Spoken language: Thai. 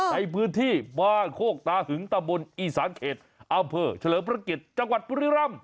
ในพื้นที่บ้านโคกตาหึงตะบุญอีสานเขตอเฉลิประเก็จจังหวัดปุริร่ำ